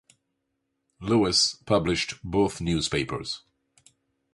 Lewis published both newspapers.